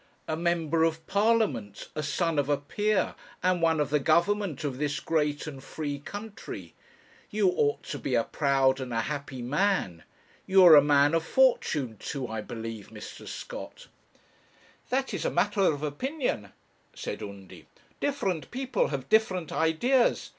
'A member of Parliament, a son of a peer, and one of the Government of this great and free country. You ought to be a proud and a happy man. You are a man of fortune, too, I believe, Mr. Scott?' 'That is a matter of opinion,' said Undy; 'different people have different ideas.